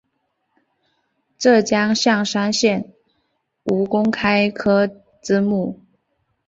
浙江象山县吴公开科之墓